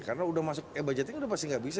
karena e budgeting udah pasti nggak bisa